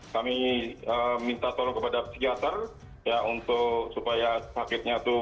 kami minta tolong kepada psikiater ya untuk supaya sakitnya itu